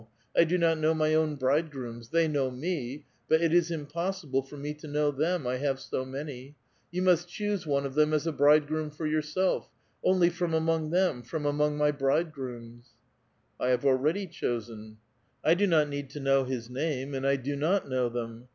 1 do not know my own bridegrooms. They know me ; but it is impossible for me to know them, I have so many ! You must choose one of them as a bride groom for yourself, — only from among them, from among my bridegrooms." '* I have already chosen." " I do not ueed to kuow his name, and I do not know them.